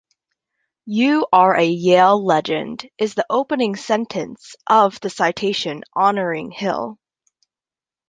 "You are a Yale legend" is the opening sentence of the citation honoring Hill.